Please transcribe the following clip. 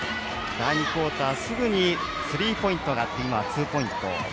第２クオーターすぐにスリーポイントがあって今はツーポイント。